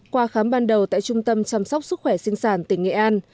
qua khám ban đầu tại trung tâm chăm sóc sức khỏe sinh sản tỉnh nghệ an